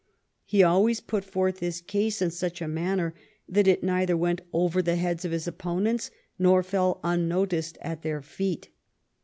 He always put forth his ease in such a manner that it neither went over the heads of his op ponents nor fell unnoticed at their feet.